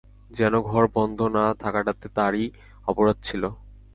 যেন ঘর বন্ধ না থাকাটাতে তারই অপরাধ ছিল।